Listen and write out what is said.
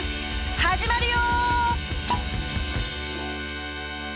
始まるよ！